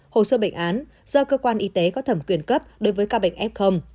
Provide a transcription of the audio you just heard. hồ sơ bệnh án do cơ quan y tế có thẩm quyền cấp đối với ca bệnh f